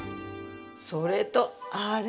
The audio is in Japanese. それとあれ！